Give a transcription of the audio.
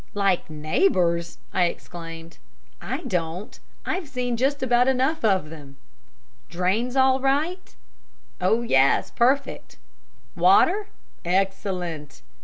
"Like neighbours!" I exclaimed. "I don't. I've just seen about enough of them. Drains all right?" "Oh, yes! Perfect." "Water?" "Excellent."